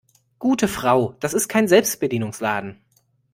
Gute Frau, das ist kein Selbstbedienungsladen.